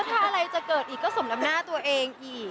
ถ้าอะไรจะเกิดอีกก็สมดำหน้าตัวเองอีก